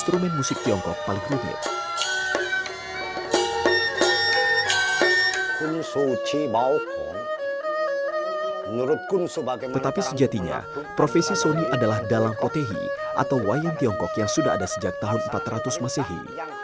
menurut tetapi sejatinya profesi sony adalah dalang otehi atau wayang tiongkok yang sudah ada sejak tahun empat ratus masehi